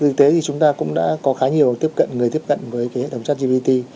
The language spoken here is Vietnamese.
vì thế thì chúng ta cũng đã có khá nhiều người tiếp cận với hệ thống chatgpt